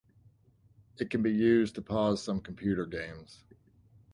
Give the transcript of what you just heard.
It can be used to pause some computer games.